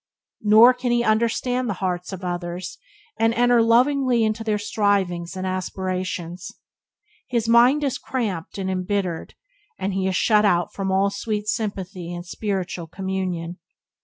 Nor can he understand the hearts of others, and enter lovingly into their strivings and aspirations. His mind is cramped and embittered, and he is shut out from all sweet sympathy and spiritual communion.